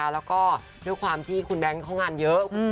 แล้วก็ด้วยความที่คุณแบงค์เขางานเยอะ